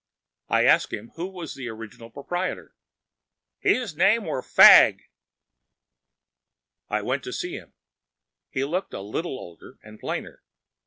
I asked him who was the original proprietor. “His name war Fagg.‚ÄĚ I went to see him. He looked a little older and plainer.